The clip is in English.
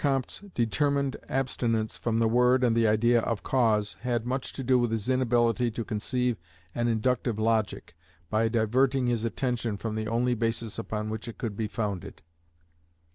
Comte's determined abstinence from the word and the idea of Cause, had much to do with his inability to conceive an Inductive Logic, by diverting his attention from the only basis upon which it could be founded.